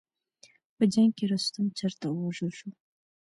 په جنګ کې رستم چېرته ووژل شو.